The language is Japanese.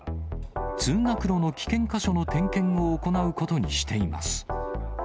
通学路の危険箇所の点検を行うことにしています。